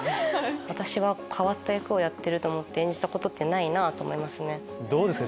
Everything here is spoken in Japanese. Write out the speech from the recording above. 私は変わった役をやってると思って演じたことないと思いますね。